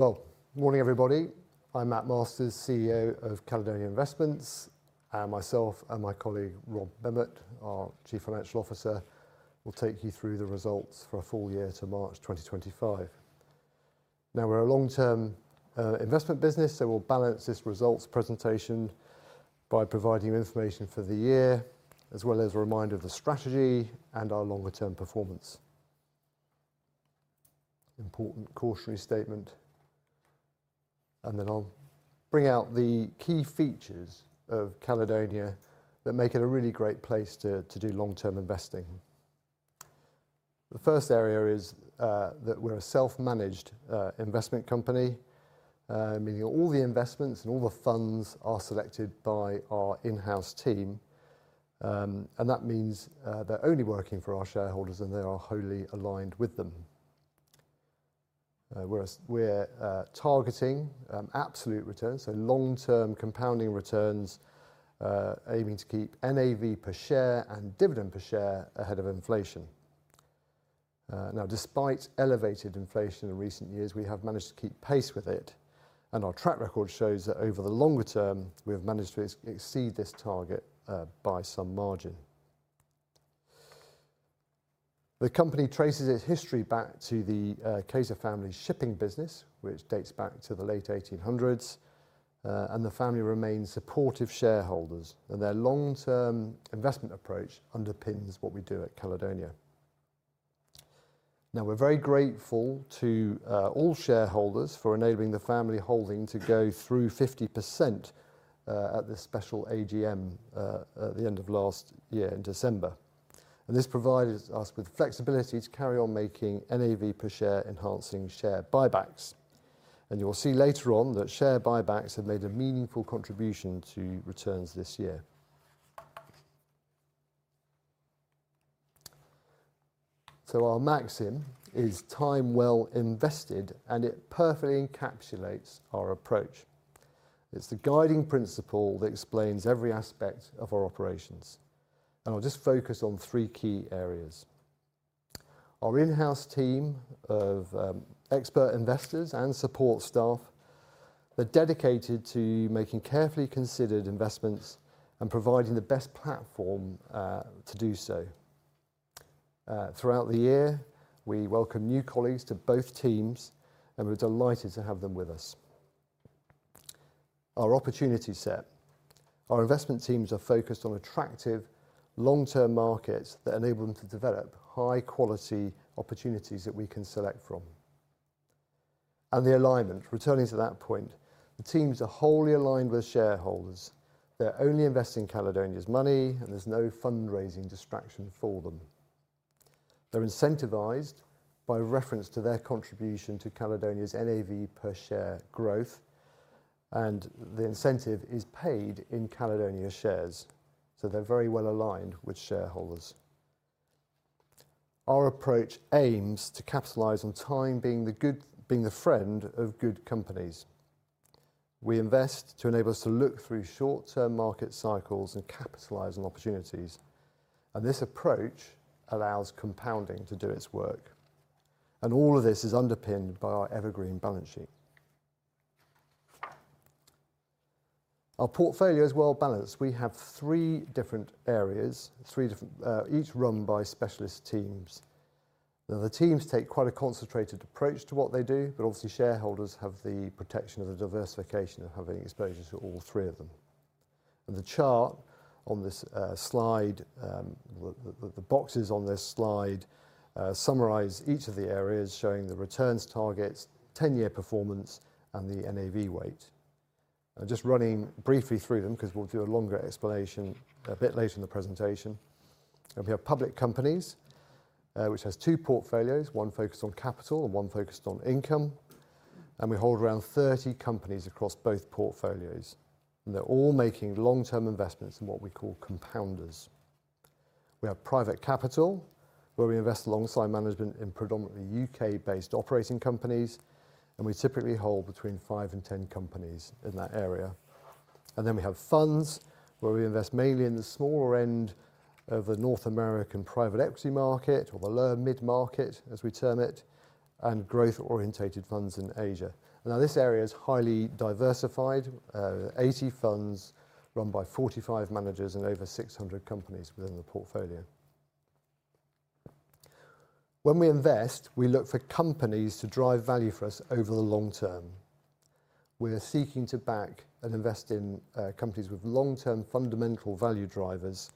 Good morning everybody. I'm Mat Masters, CEO of Caledonia Investments, and myself and my colleague Rob Memmott, our Chief Financial Officer, will take you through the results for a full year to March 2025. Now, we're a long-term investment business, so we'll balance this results presentation by providing information for the year, as well as a reminder of the strategy and our longer-term performance. Important cautionary statement. I will bring out the key features of Caledonia that make it a really great place to do long-term investing. The first area is that we're a self-managed investment company, meaning all the investments and all the funds are selected by our in-house team. That means they're only working for our shareholders, and they are wholly aligned with them. We're targeting absolute returns, so long-term compounding returns, aiming to keep NAV per share and dividend per share ahead of inflation. Now, despite elevated inflation in recent years, we have managed to keep pace with it. Our track record shows that over the longer term, we have managed to exceed this target by some margin. The company traces its history back to the Cayzer family shipping business, which dates back to the late 1800s. The family remains supportive shareholders, and their long-term investment approach underpins what we do at Caledonia. We are very grateful to all shareholders for enabling the family holding to go through 50% at the special AGM at the end of last year in December. This provided us with flexibility to carry on making NAV per share enhancing share buybacks. You will see later on that share buybacks have made a meaningful contribution to returns this year. Our maxim is time well invested, and it perfectly encapsulates our approach. It's the guiding principle that explains every aspect of our operations. I'll just focus on three key areas. Our in-house team of expert investors and support staff, they're dedicated to making carefully considered investments and providing the best platform to do so. Throughout the year, we welcome new colleagues to both teams, and we're delighted to have them with us. Our opportunity set. Our investment teams are focused on attractive long-term markets that enable them to develop high-quality opportunities that we can select from. The alignment, returning to that point, the teams are wholly aligned with shareholders. They're only investing in Caledonia's money, and there's no fundraising distraction for them. They're incentivized by reference to their contribution to Caledonia's NAV per share growth, and the incentive is paid in Caledonia shares. They're very well aligned with shareholders. Our approach aims to capitalize on time being the friend of good companies. We invest to enable us to look through short-term market cycles and capitalize on opportunities. This approach allows compounding to do its work. All of this is underpinned by our evergreen balance sheet. Our portfolio is well balanced. We have three different areas, each run by specialist teams. The teams take quite a concentrated approach to what they do, but obviously shareholders have the protection of the diversification of having exposure to all three of them. The chart on this slide, the boxes on this slide summarize each of the areas showing the returns targets, 10-year performance, and the NAV weight. I'm just running briefly through them because we'll do a longer explanation a bit later in the presentation. We have public companies, which has two portfolios, one focused on capital and one focused on income. We hold around 30 companies across both portfolios. They are all making long-term investments in what we call compounders. We have private capital, where we invest alongside management in predominantly U.K.-based operating companies. We typically hold between five and ten companies in that area. We have funds, where we invest mainly in the smaller end of the North American private equity market or the lower mid-market, as we term it, and growth-orientated funds in Asia. This area is highly diversified, 80 funds run by 45 managers and over 600 companies within the portfolio. When we invest, we look for companies to drive value for us over the long term. We're seeking to back and invest in companies with long-term fundamental value drivers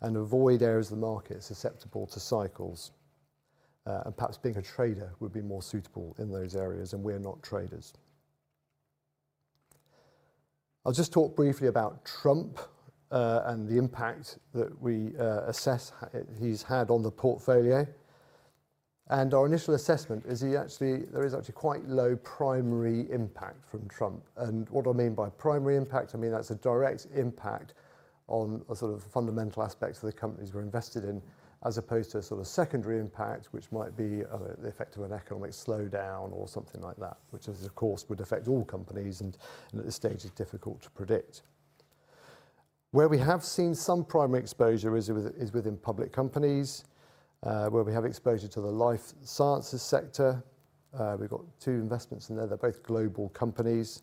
and avoid areas of the market susceptible to cycles. Perhaps being a trader would be more suitable in those areas, and we're not traders. I'll just talk briefly about Trump and the impact that we assess he's had on the portfolio. Our initial assessment is he actually, there is actually quite low primary impact from Trump. What I mean by primary impact, I mean that's a direct impact on the sort of fundamental aspects of the companies we're invested in, as opposed to a sort of secondary impact, which might be the effect of an economic slowdown or something like that, which of course would affect all companies and at this stage is difficult to predict. Where we have seen some primary exposure is within public companies, where we have exposure to the life sciences sector. We've got two investments in there that are both global companies.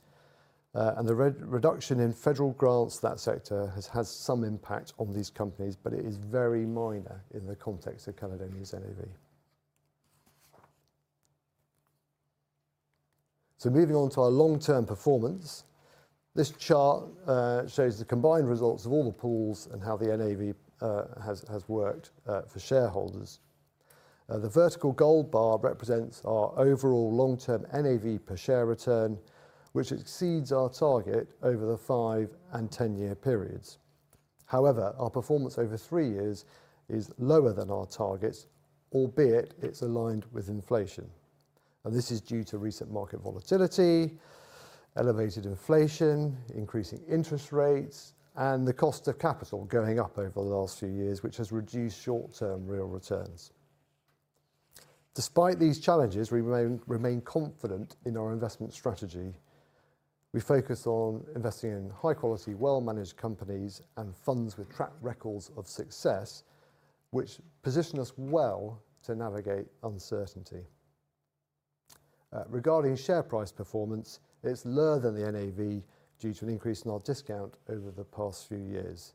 The reduction in federal grants to that sector has had some impact on these companies, but it is very minor in the context of Caledonia's NAV. Moving on to our long-term performance, this chart shows the combined results of all the pools and how the NAV has worked for shareholders. The vertical gold bar represents our overall long-term NAV per share return, which exceeds our target over the five and 10-year periods. However, our performance over three years is lower than our targets, albeit it's aligned with inflation. This is due to recent market volatility, elevated inflation, increasing interest rates, and the cost of capital going up over the last few years, which has reduced short-term real returns. Despite these challenges, we remain confident in our investment strategy. We focus on investing in high-quality, well-managed companies and funds with track records of success, which position us well to navigate uncertainty. Regarding share price performance, it is lower than the NAV due to an increase in our discount over the past few years.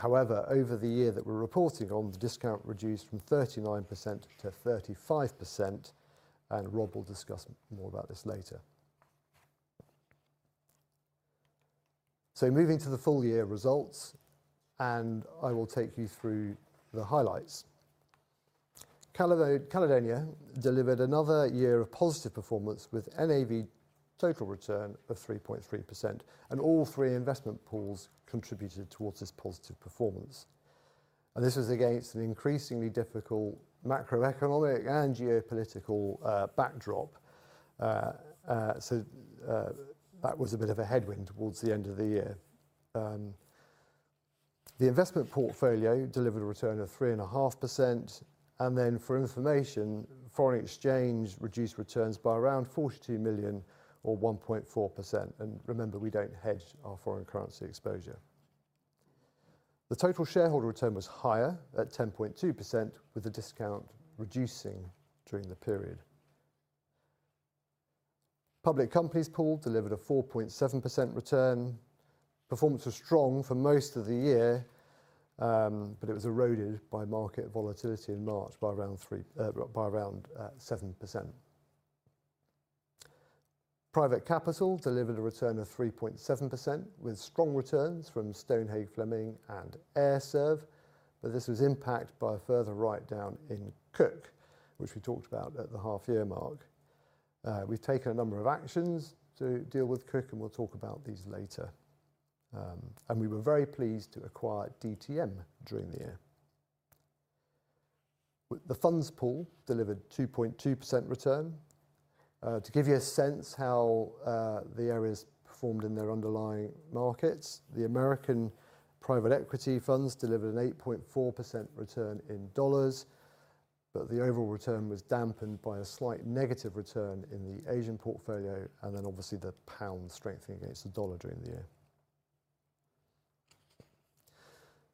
However, over the year that we are reporting on, the discount reduced from 39% to 35%, and Rob will discuss more about this later. Moving to the full year results, I will take you through the highlights. Caledonia delivered another year of positive performance with NAV total return of 3.3%. All three investment pools contributed towards this positive performance. This was against an increasingly difficult macroeconomic and geopolitical backdrop. That was a bit of a headwind towards the end of the year. The investment portfolio delivered a return of 3.5%. For information, foreign exchange reduced returns by around 42 million or 1.4%. Remember, we do not hedge our foreign currency exposure. The total shareholder return was higher at 10.2%, with the discount reducing during the period. The public companies pool delivered a 4.7% return. Performance was strong for most of the year, but it was eroded by market volatility in March by around 7%. Private capital delivered a return of 3.7% with strong returns from Stonehenge Fleming and Airserv. This was impacted by a further write-down in Cook, which we talked about at the half-year mark. We have taken a number of actions to deal with Cook, and we will talk about these later. We were very pleased to acquire DTM during the year. The funds pool delivered a 2.2% return. To give you a sense of how the areas performed in their underlying markets, the American private equity funds delivered an 8.4% return in dollars. The overall return was dampened by a slight negative return in the Asian portfolio and obviously the pound strengthening against the dollar during the year.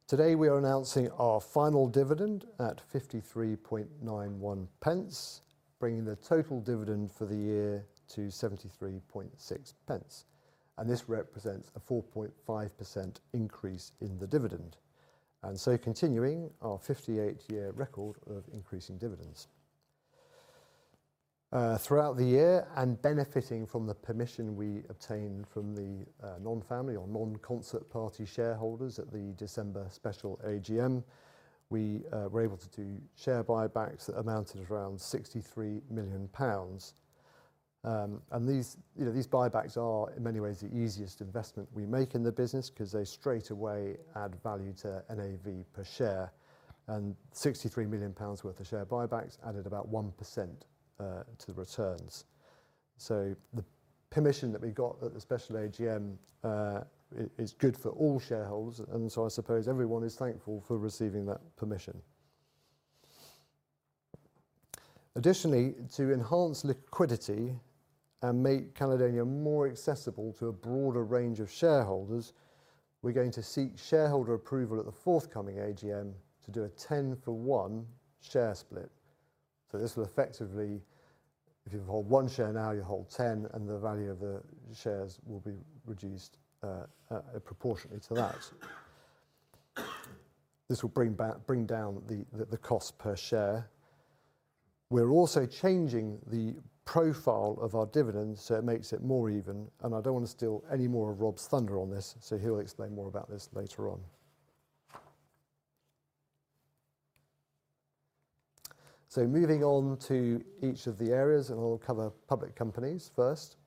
Today, we are announcing our final dividend at 0.5391, bringing the total dividend for the year to 0.736. This represents a 4.5% increase in the dividend, continuing our 58-year record of increasing dividends. Throughout the year and benefiting from the permission we obtained from the non-family or non-concert party shareholders at the December special AGM, we were able to do share buybacks that amounted to around 63 million pounds. These buybacks are, in many ways, the easiest investment we make in the business because they straight away add value to NAV per share. 63 million pounds worth of share buybacks added about 1% to the returns. The permission that we got at the special AGM is good for all shareholders. I suppose everyone is thankful for receiving that permission. Additionally, to enhance liquidity and make Caledonia more accessible to a broader range of shareholders, we're going to seek shareholder approval at the forthcoming AGM to do a 10-for-1 share split. This will effectively, if you hold one share now, you hold 10, and the value of the shares will be reduced proportionately to that. This will bring down the cost per share. We're also changing the profile of our dividends so it makes it more even. I do not want to steal any more of Rob's thunder on this, so he'll explain more about this later on. Moving on to each of the areas, I'll cover public companies first.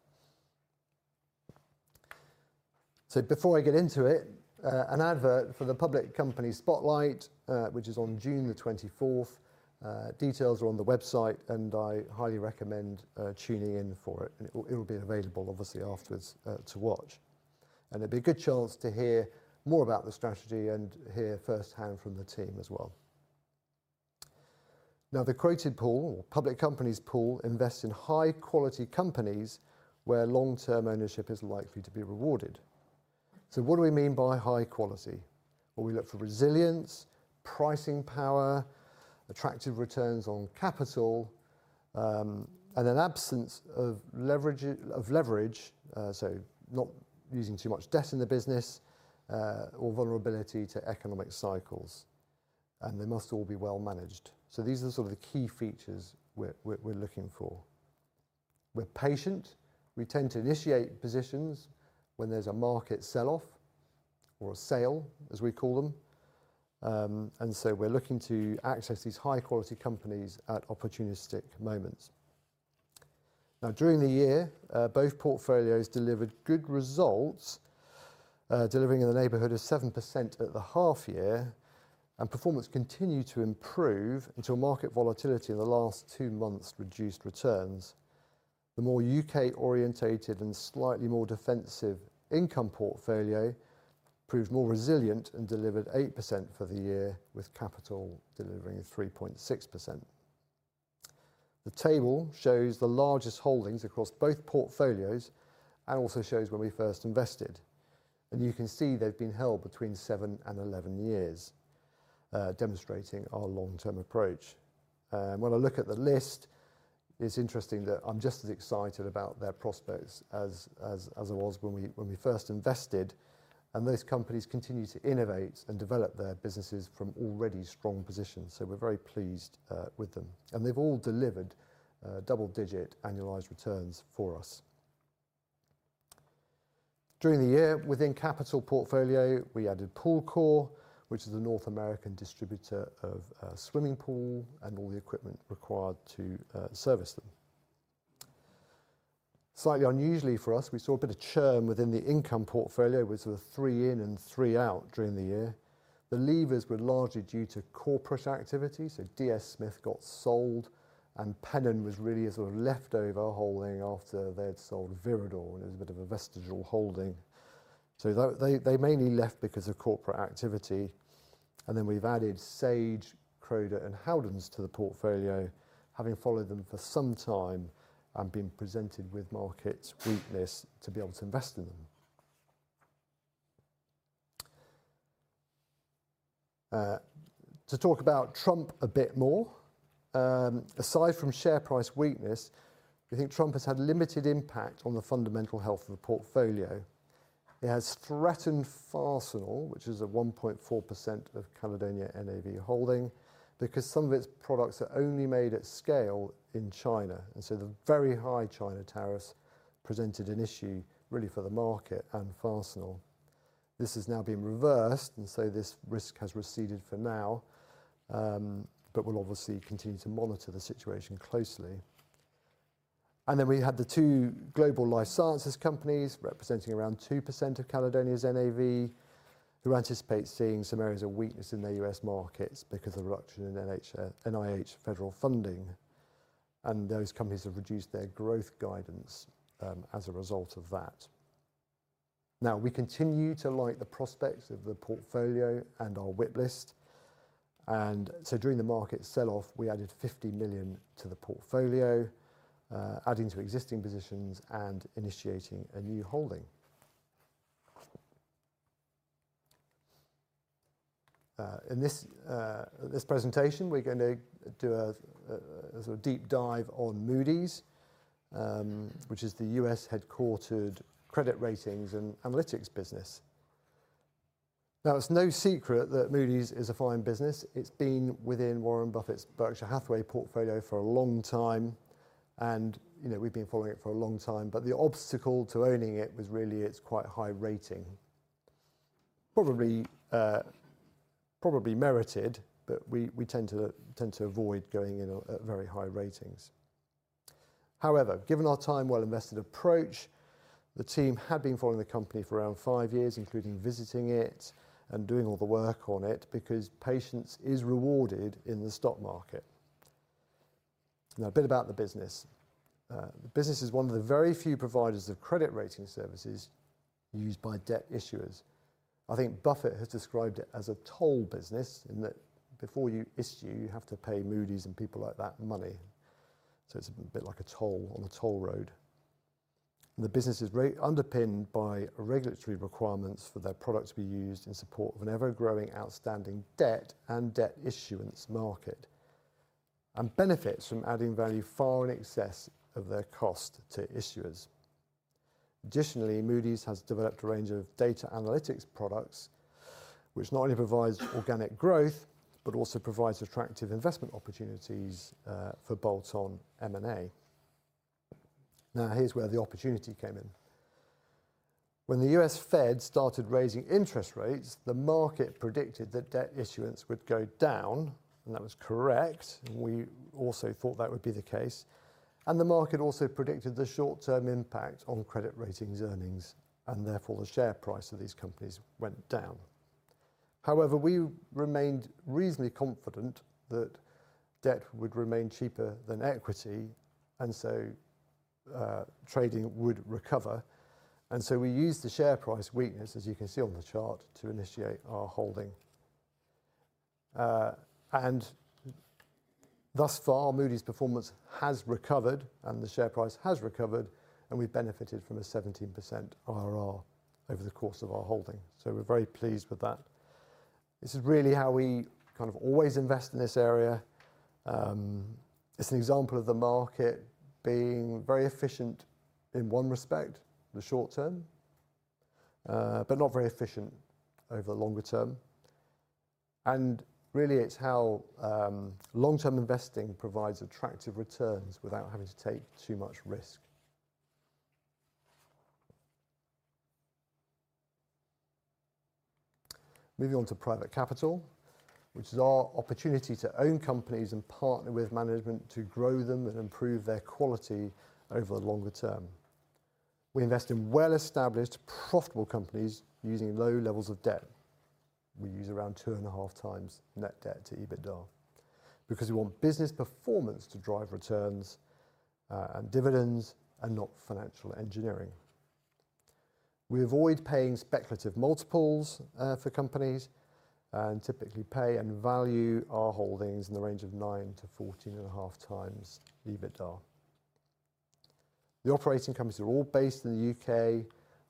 Before I get into it, an advert for the public company Spotlight, which is on June 24. Details are on the website, and I highly recommend tuning in for it. It will be available, obviously, afterwards to watch. It will be a good chance to hear more about the strategy and hear firsthand from the team as well. Now, the created pool or public companies pool invests in high-quality companies where long-term ownership is likely to be rewarded. What do we mean by high quality? We look for resilience, pricing power, attractive returns on capital, and an absence of leverage, so not using too much debt in the business or vulnerability to economic cycles. They must all be well managed. These are sort of the key features we're looking for. We're patient. We tend to initiate positions when there's a market sell-off or a sale, as we call them. We're looking to access these high-quality companies at opportunistic moments. During the year, both portfolios delivered good results, delivering in the neighborhood of 7% at the half year. Performance continued to improve until market volatility in the last two months reduced returns. The more U.K.-orientated and slightly more defensive income portfolio proved more resilient and delivered 8% for the year, with capital delivering 3.6%. The table shows the largest holdings across both portfolios and also shows when we first invested. You can see they've been held between seven and eleven years, demonstrating our long-term approach. When I look at the list, it's interesting that I'm just as excited about their prospects as I was when we first invested. Those companies continue to innovate and develop their businesses from already strong positions. We are very pleased with them. They've all delivered double-digit annualized returns for us. During the year, within capital portfolio, we added Pool Corp, which is the North American distributor of swimming pool and all the equipment required to service them. Slightly unusually for us, we saw a bit of churn within the income portfolio, which was three in and three out during the year. The leavers were largely due to corporate activity. DS Smith got sold, and Pennon was really a sort of leftover holding after they had sold Vireador, and it was a bit of a vestigial holding. They mainly left because of corporate activity. We have added Sage, Crowder, and Haldens to the portfolio, having followed them for some time and been presented with market weakness to be able to invest in them. To talk about Trump a bit more, aside from share price weakness, we think Trump has had limited impact on the fundamental health of the portfolio. It has threatened Farsenal, which is a 1.4% of Caledonia NAV holding, because some of its products are only made at scale in China. The very high China tariffs presented an issue really for the market and Farsenal. This has now been reversed, and so this risk has receded for now, but we'll obviously continue to monitor the situation closely. Then we had the two global life sciences companies representing around 2% of Caledonia's NAV, who anticipate seeing some areas of weakness in their U.S. markets because of the reduction in NIH federal funding. Those companies have reduced their growth guidance as a result of that. Now, we continue to like the prospects of the portfolio and our whip list. During the market sell-off, we added $50 million to the portfolio, adding to existing positions and initiating a new holding. In this presentation, we're going to do a sort of deep dive on Moody's, which is the U.S.-headquartered credit ratings and analytics business. Now, it's no secret that Moody's is a fine business. It's been within Warren Buffett's Berkshire Hathaway portfolio for a long time, and we've been following it for a long time. The obstacle to owning it was really its quite high rating. Probably merited, but we tend to avoid going in at very high ratings. However, given our time-well-invested approach, the team had been following the company for around five years, including visiting it and doing all the work on it, because patience is rewarded in the stock market. Now, a bit about the business. The business is one of the very few providers of credit rating services used by debt issuers. I think Buffett has described it as a toll business, in that before you issue, you have to pay Moody's and people like that money. It's a bit like a toll on a toll road. The business is underpinned by regulatory requirements for their products to be used in support of an ever-growing outstanding debt and debt issuance market and benefits from adding value far in excess of their cost to issuers. Additionally, Moody's has developed a range of data analytics products, which not only provides organic growth, but also provides attractive investment opportunities for bolt-on M&A. Now, here's where the opportunity came in. When the U.S. Fed started raising interest rates, the market predicted that debt issuance would go down, and that was correct. We also thought that would be the case. The market also predicted the short-term impact on credit ratings earnings, and therefore the share price of these companies went down. However, we remained reasonably confident that debt would remain cheaper than equity, and so trading would recover. We used the share price weakness, as you can see on the chart, to initiate our holding. Thus far, Moody's performance has recovered, and the share price has recovered, and we've benefited from a 17% IRR over the course of our holding. We're very pleased with that. This is really how we kind of always invest in this area. It's an example of the market being very efficient in one respect, the short term, but not very efficient over the longer term. Really, it's how long-term investing provides attractive returns without having to take too much risk. Moving on to private capital, which is our opportunity to own companies and partner with management to grow them and improve their quality over the longer term. We invest in well-established, profitable companies using low levels of debt. We use around two and a half times net debt to EBITDA because we want business performance to drive returns and dividends and not financial engineering. We avoid paying speculative multiples for companies and typically pay and value our holdings in the range of 9-14.5 times EBITDA. The operating companies are all based in the U.K.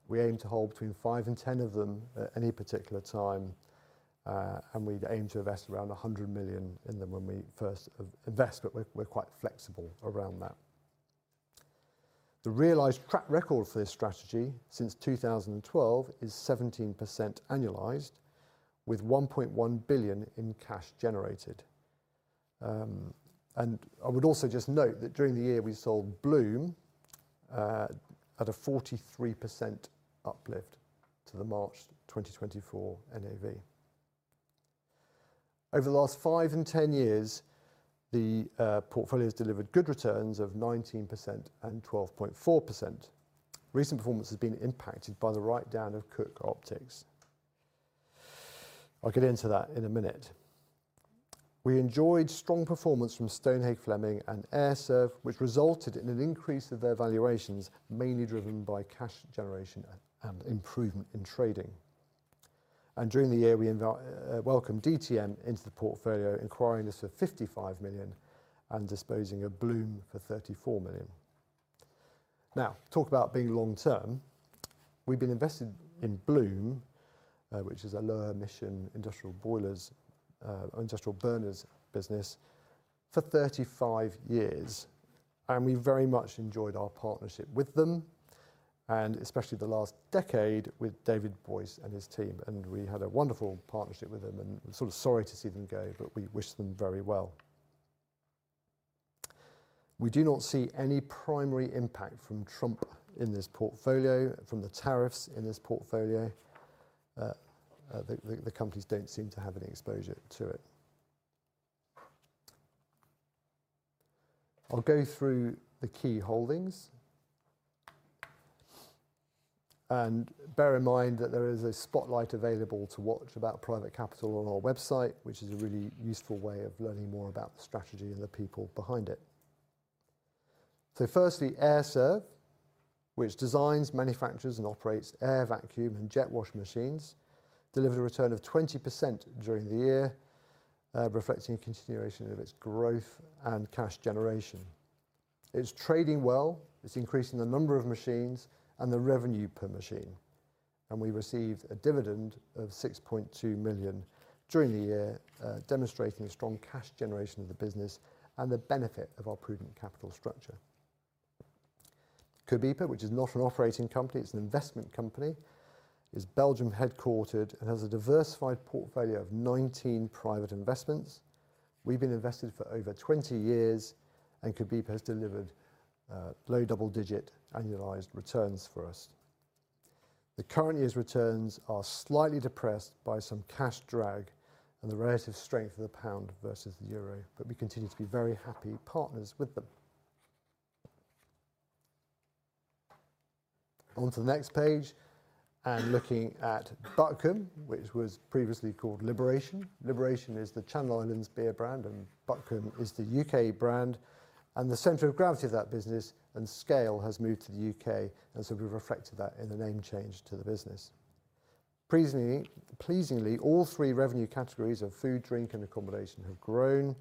We aim to hold between five and 10 of them at any particular time, and we'd aim to invest around 100 million in them when we first invest, but we're quite flexible around that. The realized track record for this strategy since 2012 is 17% annualized, with 1.1 billion in cash generated. I would also just note that during the year, we sold Bloom at a 43% uplift to the March 2024 NAV. Over the last five and ten years, the portfolio has delivered good returns of 19% and 12.4%. Recent performance has been impacted by the write-down of Cook Optics. I'll get into that in a minute. We enjoyed strong performance from Stonehage Fleming and Airserv, which resulted in an increase of their valuations, mainly driven by cash generation and improvement in trading. During the year, we welcomed DTM into the portfolio, acquiring it for 55 million and disposing of Bloom for 34 million. Talk about being long-term. We've been invested in Bloom, which is a low-emission industrial burners business, for 35 years. We very much enjoyed our partnership with them, and especially the last decade with David Boyce and his team. We had a wonderful partnership with them and are sort of sorry to see them go, but we wish them very well. We do not see any primary impact from Trump in this portfolio, from the tariffs in this portfolio. The companies do not seem to have any exposure to it. I will go through the key holdings. Bear in mind that there is a spotlight available to watch about private capital on our website, which is a really useful way of learning more about the strategy and the people behind it. Firstly, Airserv, which designs, manufactures, and operates air vacuum and jet wash machines, delivered a return of 20% during the year, reflecting a continuation of its growth and cash generation. It is trading well. It is increasing the number of machines and the revenue per machine. We received a dividend of 6.2 million during the year, demonstrating a strong cash generation of the business and the benefit of our prudent capital structure. Cobeeper, which is not an operating company, it's an investment company, is Belgium headquartered and has a diversified portfolio of 19 private investments. We've been invested for over 20 years, and Cobeeper has delivered low double-digit annualized returns for us. The current year's returns are slightly depressed by some cash drag and the relative strength of the pound versus the euro, but we continue to be very happy partners with them. Onto the next page and looking at Buckham, which was previously called Liberation. Liberation is the Channel Islands beer brand, and Buckham is the U.K. brand. The center of gravity of that business and scale has moved to the U.K., and we have reflected that in the name change to the business. Pleasingly, all three revenue categories of food, drink, and accommodation have grown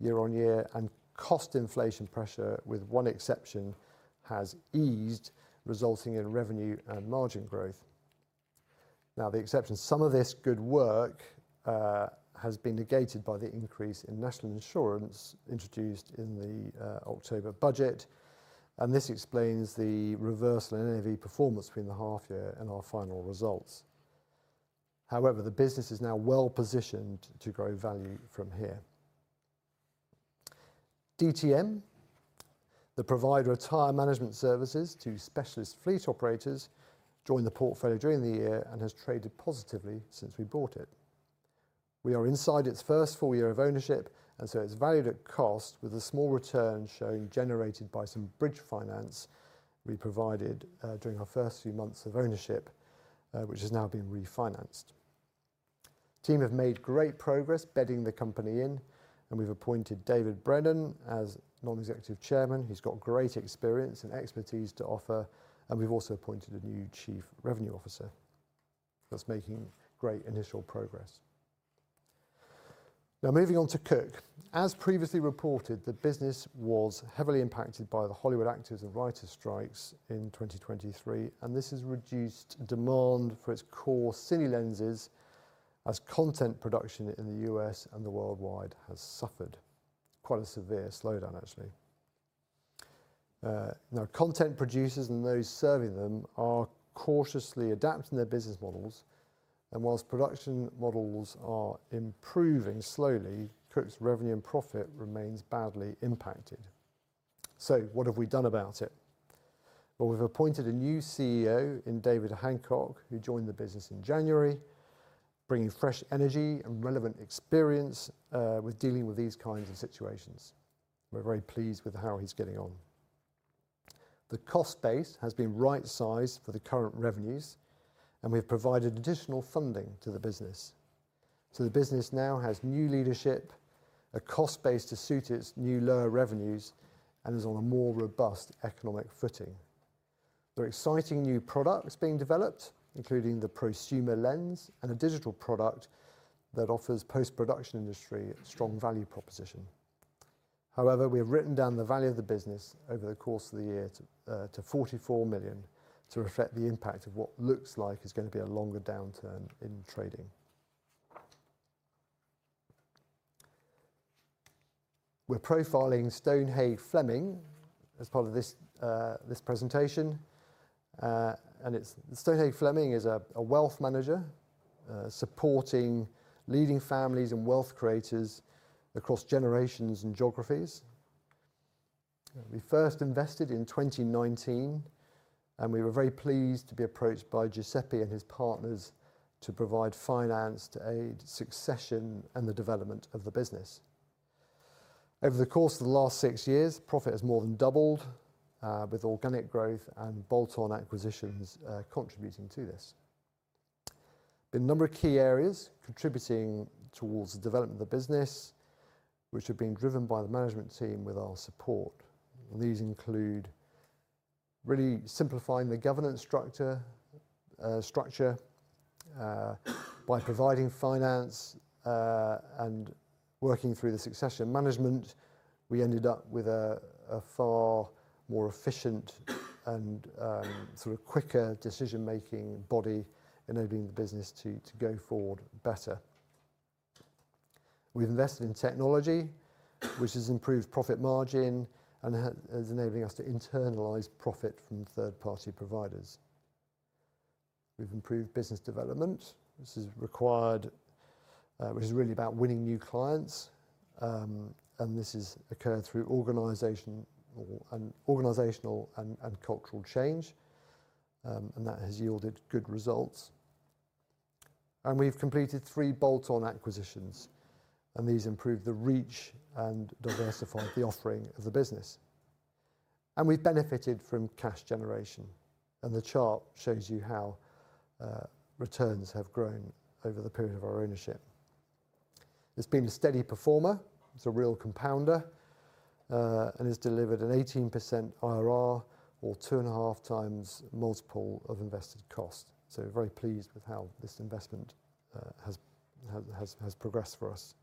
year on year, and cost inflation pressure, with one exception, has eased, resulting in revenue and margin growth. Now, the exception, some of this good work has been negated by the increase in national insurance introduced in the October budget. This explains the reversal in NAV performance between the half year and our final results. However, the business is now well positioned to grow value from here. DTM, the provider of tire management services to specialist fleet operators, joined the portfolio during the year and has traded positively since we bought it. We are inside its first full year of ownership, and so it is valued at cost with a small return showing generated by some bridge finance we provided during our first few months of ownership, which has now been refinanced. The team have made great progress bedding the company in, and we've appointed David Brennan as Non-Executive Chairman. He's got great experience and expertise to offer, and we've also appointed a new Chief Revenue Officer. That's making great initial progress. Now, moving on to Cook. As previously reported, the business was heavily impacted by the Hollywood actors and writer strikes in 2023, and this has reduced demand for its core Cine Lenses as content production in the U.S. and the worldwide has suffered. Quite a severe slowdown, actually. Now, content producers and those serving them are cautiously adapting their business models. And whilst production models are improving slowly, Cook's revenue and profit remains badly impacted. So what have we done about it? We've appointed a new CEO in David Hancock, who joined the business in January, bringing fresh energy and relevant experience with dealing with these kinds of situations. We're very pleased with how he's getting on. The cost base has been right-sized for the current revenues, and we've provided additional funding to the business. The business now has new leadership, a cost base to suit its new lower revenues, and is on a more robust economic footing. There are exciting new products being developed, including the Prosumer Lens and a digital product that offers the post-production industry strong value proposition. However, we have written down the value of the business over the course of the year to 44 million to reflect the impact of what looks like is going to be a longer downturn in trading. We're profiling Stonehenge Fleming as part of this presentation. Stonehenge Fleming is a wealth manager supporting leading families and wealth creators across generations and geographies. We first invested in 2019, and we were very pleased to be approached by Giuseppe and his partners to provide finance to aid succession and the development of the business. Over the course of the last six years, profit has more than doubled with organic growth and bolt-on acquisitions contributing to this. There are a number of key areas contributing towards the development of the business, which have been driven by the management team with our support. These include really simplifying the governance structure by providing finance and working through the succession management. We ended up with a far more efficient and sort of quicker decision-making body, enabling the business to go forward better. We've invested in technology, which has improved profit margin and is enabling us to internalize profit from third-party providers. We've improved business development, which is required, which is really about winning new clients. This has occurred through organizational and cultural change, and that has yielded good results. We have completed three bolt-on acquisitions, and these improved the reach and diversified the offering of the business. We have benefited from cash generation. The chart shows you how returns have grown over the period of our ownership. It has been a steady performer. It is a real compounder and has delivered an 18% IRR or 2.5 times multiple of invested cost. We are very pleased with how this investment has progressed for us.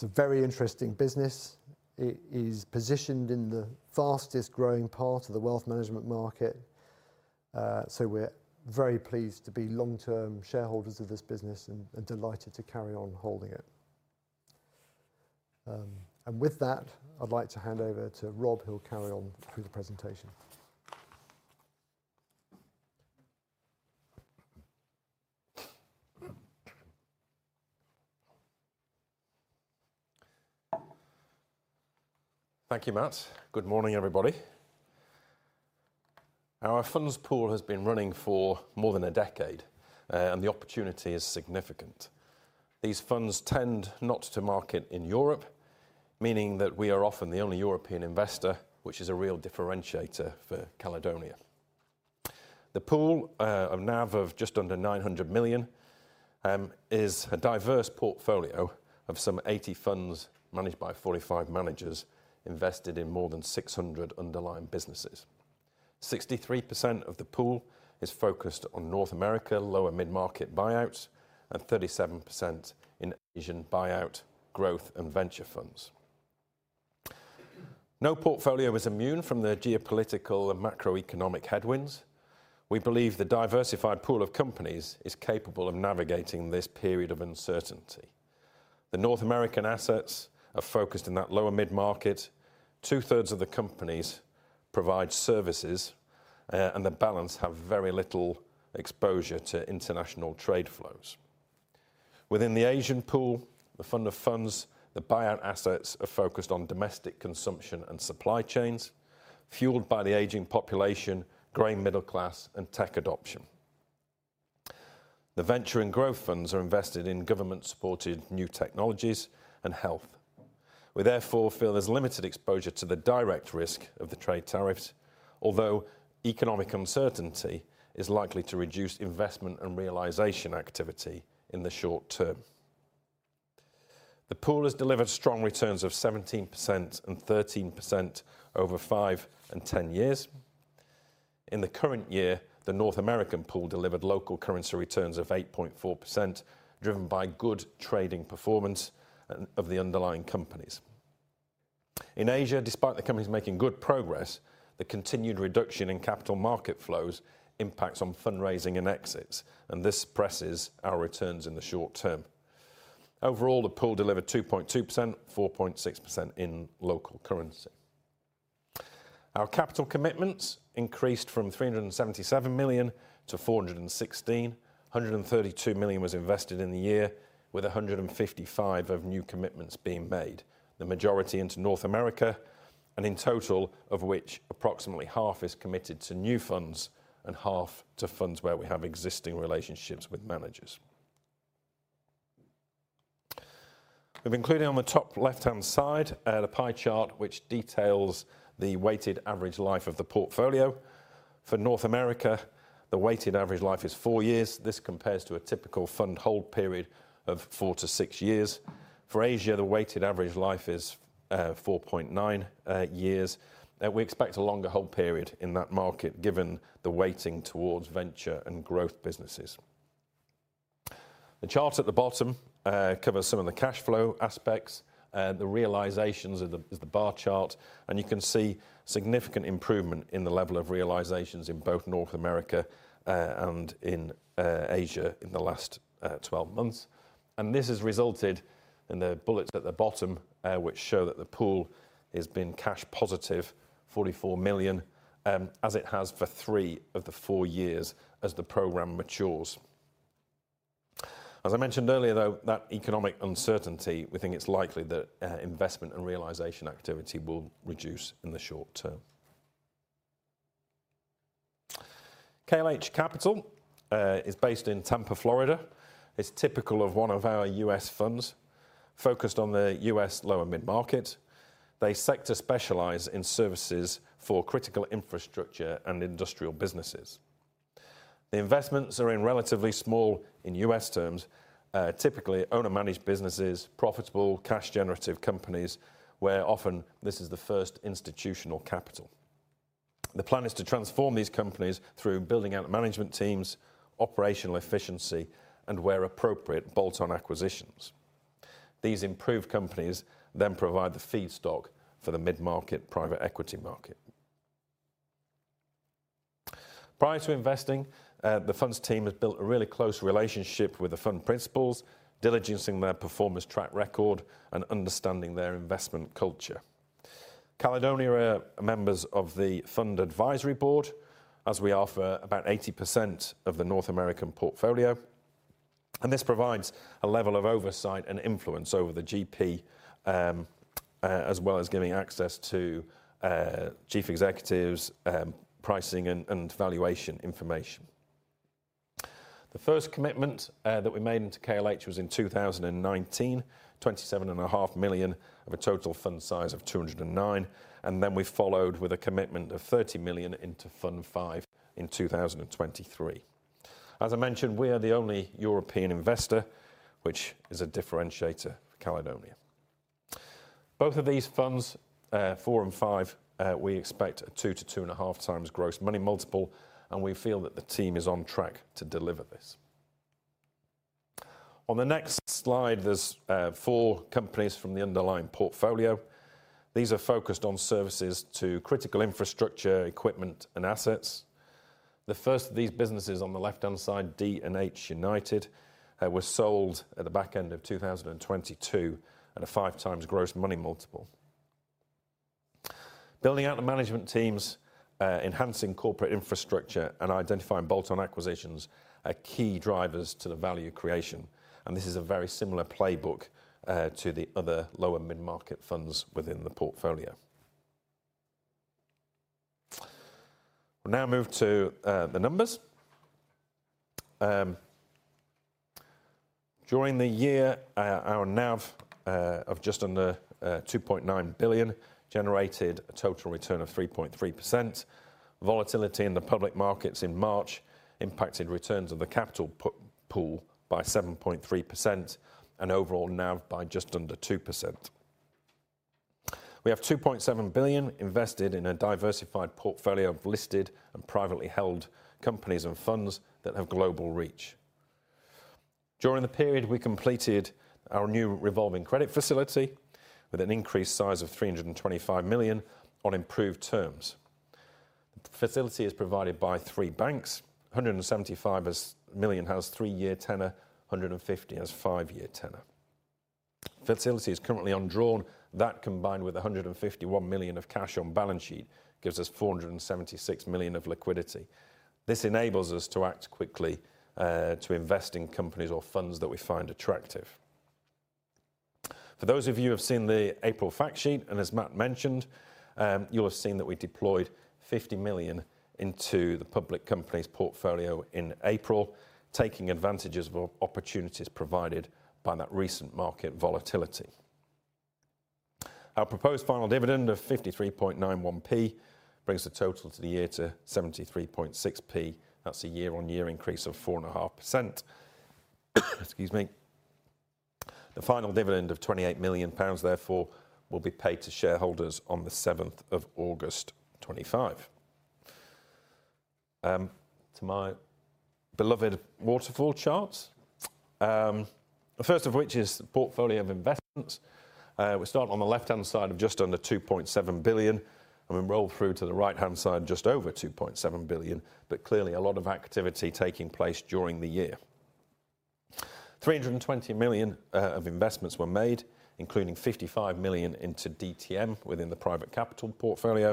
It is a very interesting business. It is positioned in the fastest growing part of the wealth management market. We are very pleased to be long-term shareholders of this business and delighted to carry on holding it. With that, I would like to hand over to Rob, who will carry on through the presentation. Thank you, Mat. Good morning, everybody. Our funds pool has been running for more than a decade, and the opportunity is significant. These funds tend not to market in Europe, meaning that we are often the only European investor, which is a real differentiator for Caledonia. The pool of now of just under 900 million is a diverse portfolio of some 80 funds managed by 45 managers invested in more than 600 underlying businesses. 63% of the pool is focused on North America, lower mid-market buyouts, and 37% in Asian buyout, growth, and venture funds. No portfolio is immune from the geopolitical and macroeconomic headwinds. We believe the diversified pool of companies is capable of navigating this period of uncertainty. The North American assets are focused in that lower mid-market. Two-thirds of the companies provide services, and the balance have very little exposure to international trade flows. Within the Asian pool, the fund of funds, the buyout assets are focused on domestic consumption and supply chains fueled by the aging population, growing middle class, and tech adoption. The venture and growth funds are invested in government-supported new technologies and health. We therefore feel there is limited exposure to the direct risk of the trade tariffs, although economic uncertainty is likely to reduce investment and realization activity in the short term. The pool has delivered strong returns of 17% and 13% over 5 and 10 years. In the current year, the North American pool delivered local currency returns of 8.4%, driven by good trading performance of the underlying companies. In Asia, despite the companies making good progress, the continued reduction in capital market flows impacts on fundraising and exits, and this presses our returns in the short term. Overall, the pool delivered 2.2%, 4.6% in local currency. Our capital commitments increased from 377 million to 416 million. 132 million was invested in the year, with 155 million of new commitments being made, the majority into North America, and in total of which approximately half is committed to new funds and half to funds where we have existing relationships with managers. We've included on the top left-hand side the pie chart, which details the weighted average life of the portfolio. For North America, the weighted average life is four years. This compares to a typical fund hold period of four to six years. For Asia, the weighted average life is 4.9 years. We expect a longer hold period in that market given the weighting towards venture and growth businesses. The chart at the bottom covers some of the cash flow aspects. The realizations is the bar chart, and you can see significant improvement in the level of realizations in both North America and in Asia in the last 12 months. This has resulted in the bullets at the bottom, which show that the pool has been cash positive, $44 million, as it has for three of the four years as the program matures. As I mentioned earlier, though, that economic uncertainty, we think it's likely that investment and realization activity will reduce in the short term. KLH Capital is based in Tampa, Florida. It's typical of one of our US funds focused on the US lower mid-market. They sector specialize in services for critical infrastructure and industrial businesses. The investments are in relatively small in US terms, typically owner-managed businesses, profitable cash-generative companies, where often this is the first institutional capital. The plan is to transform these companies through building out management teams, operational efficiency, and where appropriate, bolt-on acquisitions. These improved companies then provide the feedstock for the mid-market private equity market. Prior to investing, the funds team has built a really close relationship with the fund principals, diligencing their performance track record and understanding their investment culture. Caledonia are members of the fund advisory board, as we offer about 80% of the North American portfolio. This provides a level of oversight and influence over the GP, as well as giving access to chief executives, pricing, and valuation information. The first commitment that we made into KLH was in 2019, $27,500,000 of a total fund size of $209,000,000. We followed with a commitment of $30,000,000 into fund five in 2023. As I mentioned, we are the only European investor, which is a differentiator for Caledonia. Both of these funds, four and five, we expect a 2-2.5 times gross money multiple, and we feel that the team is on track to deliver this. On the next slide, there are four companies from the underlying portfolio. These are focused on services to critical infrastructure, equipment, and assets. The first of these businesses on the left-hand side, D&H United, was sold at the back end of 2022 at a 5 times gross money multiple. Building out the management teams, enhancing corporate infrastructure, and identifying bolt-on acquisitions are key drivers to the value creation. This is a very similar playbook to the other lower mid-market funds within the portfolio. We will now move to the numbers. During the year, our NAV of just under 2.9 billion generated a total return of 3.3%. Volatility in the public markets in March impacted returns of the capital pool by 7.3% and overall NAV by just under 2%. We have 2.7 billion invested in a diversified portfolio of listed and privately held companies and funds that have global reach. During the period, we completed our new revolving credit facility with an increased size of 325 million on improved terms. The facility is provided by three banks. 175 million has three-year tenor, 150 million has five-year tenor. Facility is currently undrawn. That combined with 151 million of cash on balance sheet gives us 476 million of liquidity. This enables us to act quickly to invest in companies or funds that we find attractive. For those of you who have seen the April factsheet, and as Matt mentioned, you'll have seen that we deployed 50 million into the public companies portfolio in April, taking advantage of opportunities provided by that recent market volatility. Our proposed final dividend of 0.5391 brings the total to the year to 0.736. That's a year-on-year increase of 4.5%. Excuse me. The final dividend of 28 million pounds, therefore, will be paid to shareholders on the 7th of August 2025. To my beloved waterfall charts, the first of which is the portfolio of investments. We start on the left-hand side of just under 2.7 billion and then roll through to the right-hand side of just over 2.7 billion, but clearly a lot of activity taking place during the year. 320 million of investments were made, including 55 million into DTM within the private capital portfolio,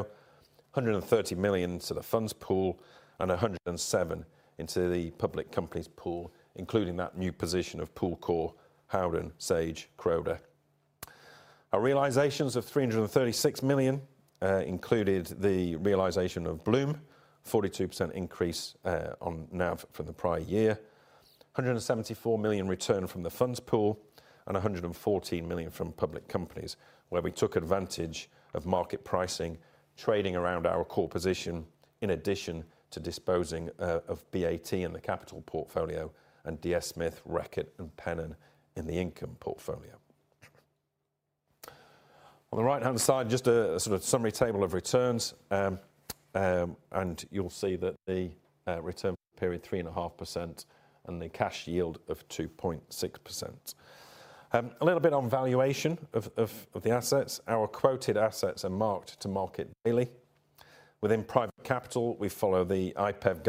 130 million to the funds pool, and 107 million into the public companies pool, including that new position of Pool Corp, Howden, Sage, Crowder. Our realizations of 336 million included the realization of Bloom, 42% increase on NAV from the prior year, 174 million return from the funds pool, and 114 million from public companies, where we took advantage of market pricing, trading around our core position in addition to disposing of BAT in the capital portfolio and DS Smith, Reckitt, and Pennon in the income portfolio. On the right-hand side, just a sort of summary table of returns, and you'll see that the return period, 3.5%, and the cash yield of 2.6%. A little bit on valuation of the assets. Our quoted assets are marked to market daily. Within private capital, we follow the IPEV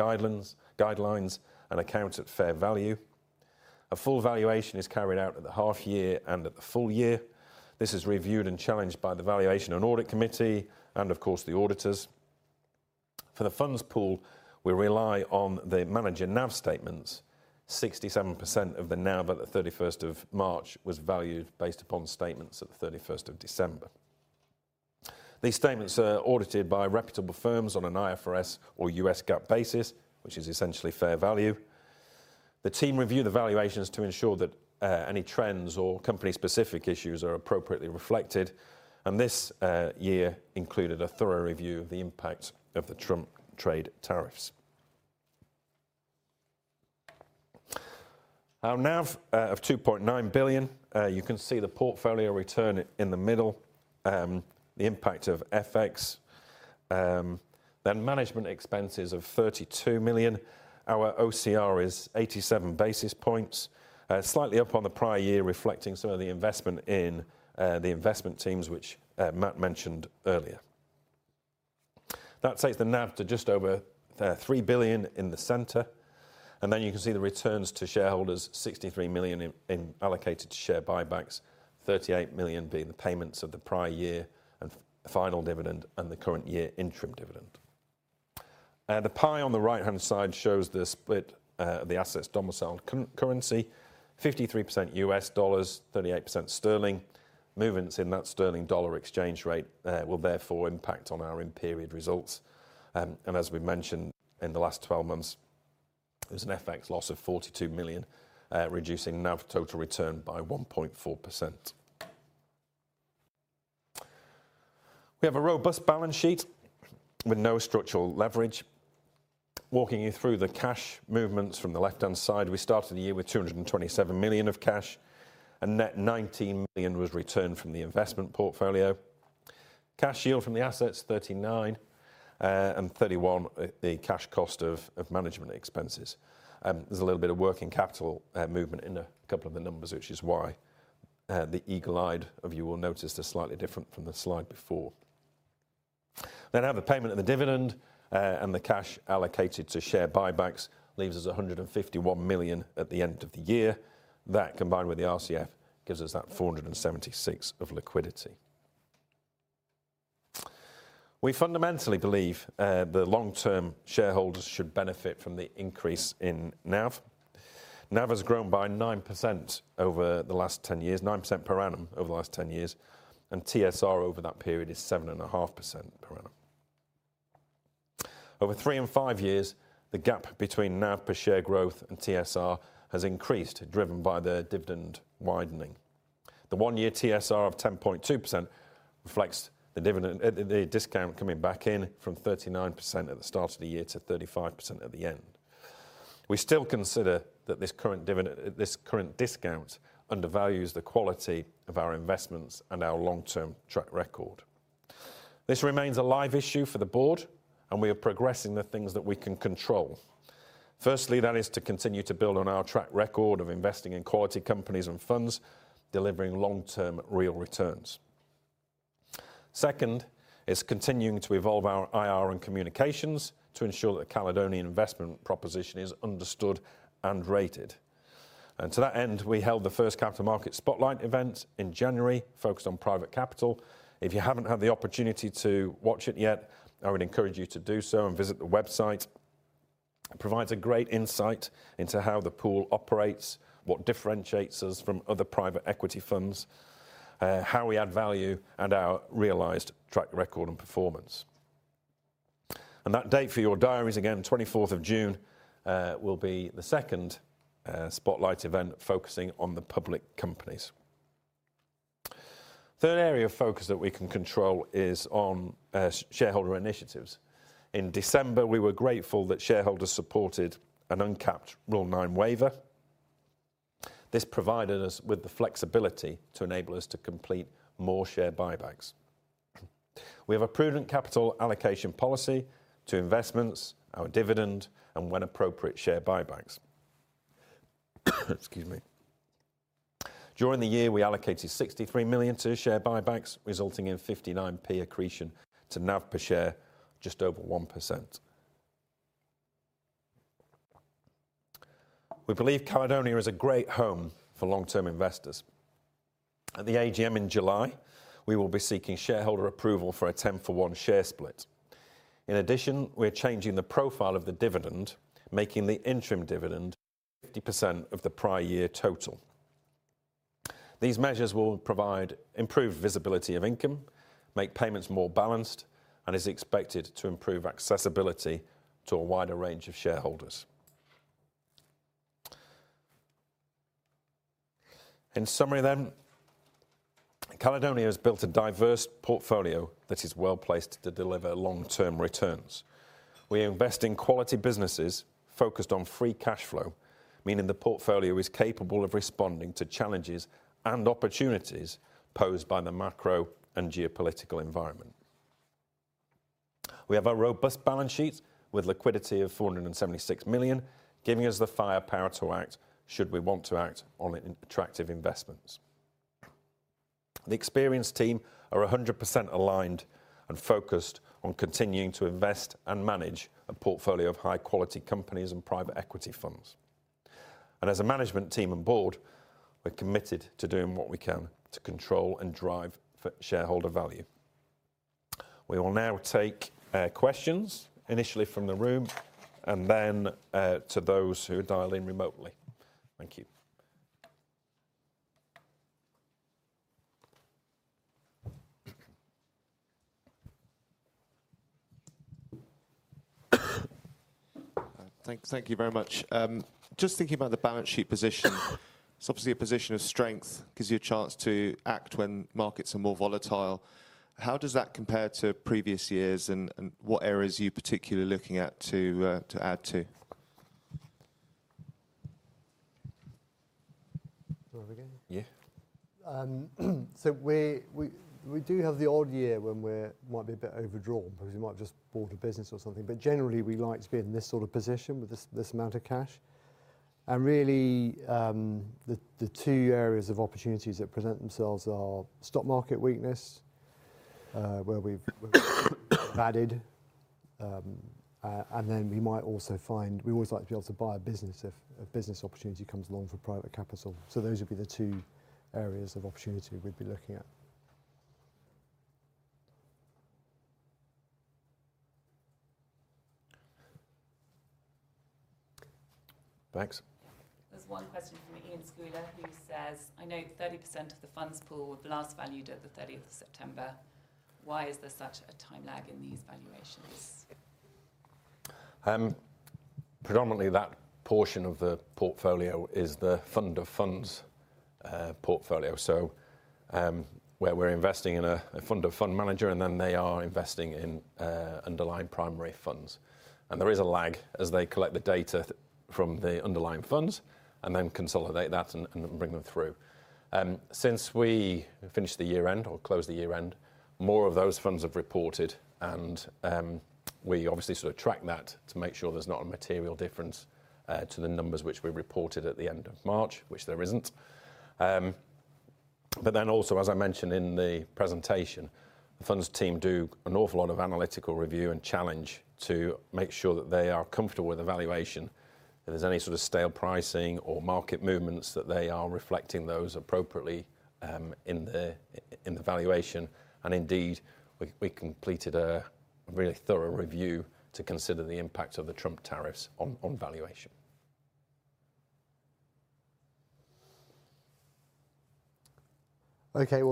guidelines and account at fair value. A full valuation is carried out at the half year and at the full year. This is reviewed and challenged by the valuation and audit committee and, of course, the auditors. For the funds pool, we rely on the manager NAV statements. 67% of the NAV at 31 March was valued based upon statements at 31 December. These statements are audited by reputable firms on an IFRS or US GAAP basis, which is essentially fair value. The team reviewed the valuations to ensure that any trends or company-specific issues are appropriately reflected, and this year included a thorough review of the impact of the Trump trade tariffs. Our NAV of 2.9 billion, you can see the portfolio return in the middle, the impact of FX, then management expenses of 32 million. Our OCR is 87 basis points, slightly up on the prior year, reflecting some of the investment in the investment teams, which Mat mentioned earlier. That takes the NAV to just over 3 billion in the center. You can see the returns to shareholders, 63 million allocated to share buybacks, 38 million being the payments of the prior year and final dividend and the current year interim dividend. The pie on the right-hand side shows the split of the assets domiciled currency, 53% US dollars, 38% sterling. Movements in that sterling dollar exchange rate will therefore impact on our reported results. As we mentioned in the last 12 months, there is an FX loss of 42 million, reducing NAV total return by 1.4%. We have a robust balance sheet with no structural leverage. Walking you through the cash movements from the left-hand side, we started the year with 227 million of cash, and net 19 million was returned from the investment portfolio. Cash yield from the assets, 39 million, and 31 million, the cash cost of management expenses. There is a little bit of working capital movement in a couple of the numbers, which is why the eagle eye of you will notice is slightly different from the slide before. We then have the payment of the dividend and the cash allocated to share buybacks leaves us with 151 million at the end of the year. That, combined with the RCF, gives us that 476 million of liquidity. We fundamentally believe the long-term shareholders should benefit from the increase in NAV. NAV has grown by 9% over the last 10 years, 9% per annum over the last 10 years, and TSR over that period is 7.5% per annum. Over three and five years, the gap between NAV per share growth and TSR has increased, driven by the dividend widening. The one-year TSR of 10.2% reflects the discount coming back in from 39% at the start of the year to 35% at the end. We still consider that this current discount undervalues the quality of our investments and our long-term track record. This remains a live issue for the board, and we are progressing the things that we can control. Firstly, that is to continue to build on our track record of investing in quality companies and funds, delivering long-term real returns. Second, it's continuing to evolve our IR and communications to ensure that the Caledonia investment proposition is understood and rated. To that end, we held the first capital market spotlight event in January, focused on private capital. If you have not had the opportunity to watch it yet, I would encourage you to do so and visit the website. It provides a great insight into how the pool operates, what differentiates us from other private equity funds, how we add value, and our realized track record and performance. That date for your diaries, again, 24th of June, will be the second spotlight event focusing on the public companies. Third area of focus that we can control is on shareholder initiatives. In December, we were grateful that shareholders supported an uncapped rule nine waiver. This provided us with the flexibility to enable us to complete more share buybacks. We have a prudent capital allocation policy to investments, our dividend, and when appropriate, share buybacks. Excuse me. During the year, we allocated 63 million to share buybacks, resulting in 0.59 accretion to NAV per share, just over 1%. We believe Caledonia is a great home for long-term investors. At the AGM in July, we will be seeking shareholder approval for a 10-for-one share split. In addition, we are changing the profile of the dividend, making the interim dividend 50% of the prior year total. These measures will provide improved visibility of income, make payments more balanced, and are expected to improve accessibility to a wider range of shareholders. In summary then, Caledonia has built a diverse portfolio that is well placed to deliver long-term returns. We invest in quality businesses focused on free cash flow, meaning the portfolio is capable of responding to challenges and opportunities posed by the macro and geopolitical environment. We have a robust balance sheet with liquidity of 476 million, giving us the firepower to act should we want to act on attractive investments. The experienced team are 100% aligned and focused on continuing to invest and manage a portfolio of high-quality companies and private equity funds. As a management team and board, we're committed to doing what we can to control and drive shareholder value. We will now take questions, initially from the room, and then to those who are dialed in remotely. Thank you. Thank you very much. Just thinking about the balance sheet position, it's obviously a position of strength, gives you a chance to act when markets are more volatile. How does that compare to previous years, and what areas are you particularly looking at to add to? Yeah. We do have the odd year when we might be a bit overdrawn, because we might have just bought a business or something. Generally, we like to be in this sort of position with this amount of cash. Really, the two areas of opportunities that present themselves are stock market weakness, where we've added, and then we might also find we always like to be able to buy a business if a business opportunity comes along for private capital. Those would be the two areas of opportunity we'd be looking at. Thanks. There's one question from Ian Schuyler, who says, "I know 30% of the funds pool was last valued at the 30th of September. Why is there such a time lag in these valuations?" Predominantly, that portion of the portfolio is the fund of funds portfolio, so where we're investing in a fund of fund manager, and then they are investing in underlying primary funds. There is a lag as they collect the data from the underlying funds and then consolidate that and bring them through. Since we finished the year-end or closed the year-end, more of those funds have reported, and we obviously sort of track that to make sure there's not a material difference to the numbers which we reported at the end of March, which there isn't. As I mentioned in the presentation, the funds team do an awful lot of analytical review and challenge to make sure that they are comfortable with the valuation, if there's any sort of stale pricing or market movements that they are reflecting those appropriately in the valuation. Indeed, we completed a really thorough review to consider the impact of the Trump tariffs on valuation. Okay,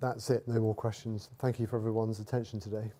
that's it. No more questions. Thank you for everyone's attention today.